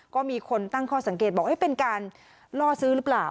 ก็มีคนตั้งข้อสังเกตบอกเป็นการล่อซื้อหรือเปล่า